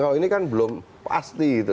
kalau ini kan belum pasti gitu